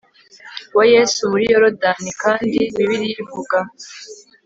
wa Yesu muri Yorodani kandi Bibiliya ivuga